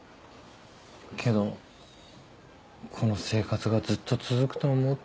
けどこの生活がずっと続くと思うと。